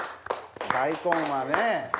大根はねぇ！